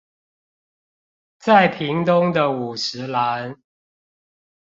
在屏東的五十嵐